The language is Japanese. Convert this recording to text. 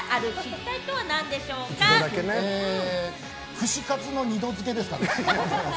串カツの二度づけですかね。